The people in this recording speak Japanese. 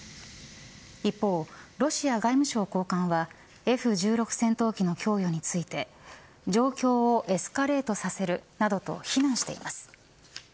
一方、ロシア外務省高官はＦ−１６戦闘機の供与について状況をエスカレートさせるなどと非難しています。